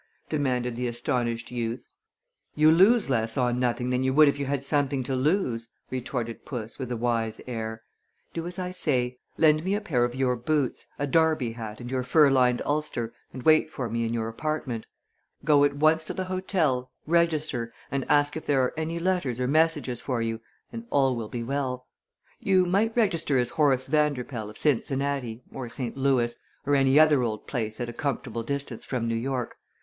demanded the astonished youth. "You lose less on nothing than you would if you had something to lose," retorted puss, with a wise air. "Do as I say. Lend me a pair of your boots, a derby hat, and your fur lined ulster, and wait for me in your apartment. Go at once to the hotel, register, and ask if there are any letters or messages for you, and all will be well. You might register as Horace Vanderpoel, of Cincinnati, or St. Louis, or any other old place at a comfortable distance from New York.